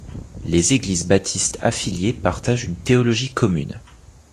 Les églises baptistes affiliées partagent une théologie commune.